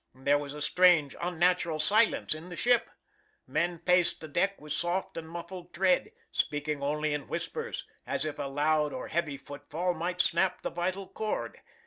There was a strange, unnatural silence in the ship. Men paced the deck with soft and muffled tread, speaking only in whispers, as if a loud or heavy footfall might snap the vital cord.